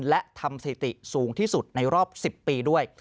และทำสถิติสูงที่สุดในรอบ๑๐ปีด้วย